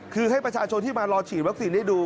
คือให้ประชาชนที่มารอฉีดวัคซีนได้ดู